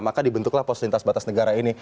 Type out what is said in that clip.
maka dibentuklah pos lintas batas negara ini